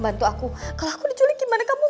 bantu aku kalau aku diculik gimana kamu